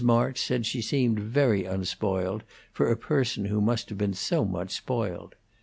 March said she seemed very unspoiled for a person who must have been so much spoiled.